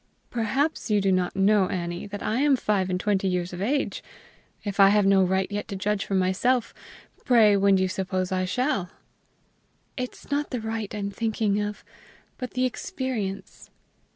"Perhaps you do not know, Annie, that I am five and twenty years of age: if I have no right yet to judge for myself, pray when do you suppose I shall?" "It's not the right I'm thinking of, but the experience."